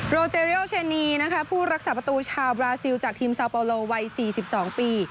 โรเจเรียลเชนีนะคะผู้รักษาประตูชาวบราซิลจากทีมซาโปโลวัย๔๒ปี